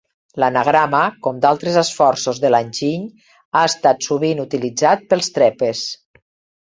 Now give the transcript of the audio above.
L'anagrama, com d'altres esforços de l'enginy, ha estat sovint utilitzat pels trepes.